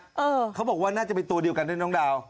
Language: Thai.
เพลงเขาบอกว่าน่าจะเป็นตัวเดียวกันต้องเดา